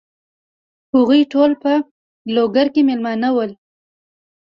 هغوی ټول په لوګر کې مېلمانه ول.